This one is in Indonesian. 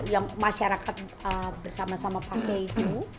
yang masyarakat bersama sama pakai itu